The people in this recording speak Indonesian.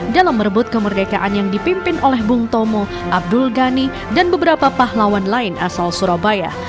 dalam merebut kemerdekaan yang dipimpin oleh bung tomo abdul ghani dan beberapa pahlawan lain asal surabaya